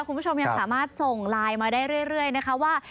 คุณผู้ชมยังสามารถส่งไลน์มาได้เรื่อยนะคะว่า